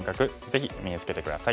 ぜひ身につけて下さい。